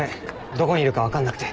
どこにいるか分かんなくて。